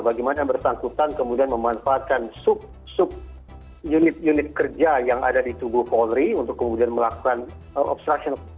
bagaimana bersangkutan kemudian memanfaatkan subunit unit kerja yang ada di tubuh polri untuk kemudian melakukan obstruction